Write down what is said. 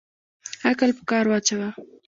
عقل په کار واچوه